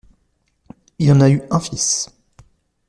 Il en a eu un fils.